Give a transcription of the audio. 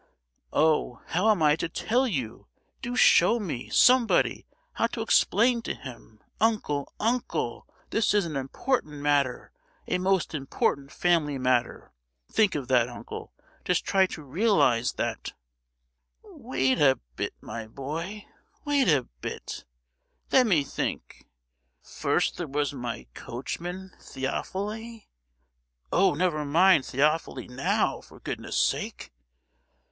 "Oh, how am I to tell you? Do show me, somebody, how to explain to him! Uncle, uncle! this is an important matter—a most important family affair! Think of that, uncle—just try to realise that——" "Wait a bit, my boy—wait a bit: let me think! First there was my coachman, Theophile——" "Oh, never mind Theophile now, for goodness sake!"